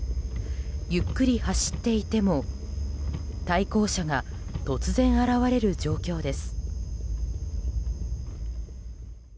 ゆっくり走っていても対向車が突然現れる状況です。